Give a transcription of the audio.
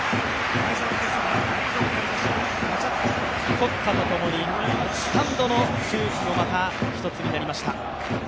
国歌とともにスタンドの空気もまた一つになりました。